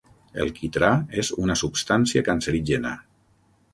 El quitrà és una substància cancerígena.